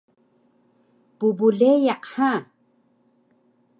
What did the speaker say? pbleyaq ha!